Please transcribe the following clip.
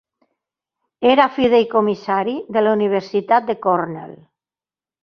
Era fideïcomissari de la Universitat de Cornell.